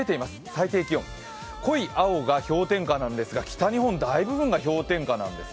最低気温、濃い青が氷点下なんですが北日本、大部分が氷点下なんです。